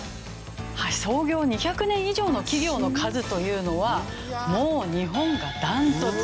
創業２００年以上の企業の数というのはもう日本がダントツ。